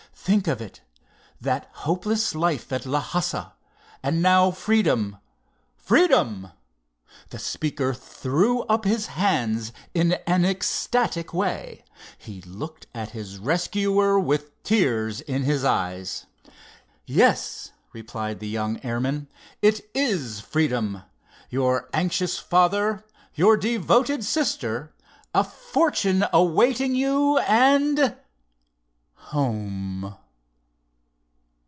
Think of it, that hopeless life at Lhassa, and now freedom—freedom!" The speaker threw up his hands in an ecstatic way. He looked at his rescuer with tears in his eyes. "Yes," replied the young airman, "it is freedom—your anxious father—your devoted sister—a fortune awaiting you and—home!"